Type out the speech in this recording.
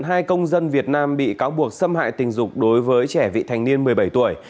hai công dân việt nam bị cáo buộc xâm hại tình dục đối với trẻ vị thành niên một mươi bảy tuổi